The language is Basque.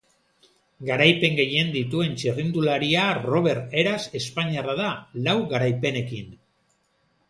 Garaipen gehien dituen txirrindularia Roberto Heras espainiarra da, lau garaipenekin.